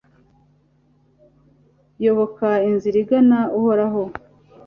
yoboka inzira igana uhoraho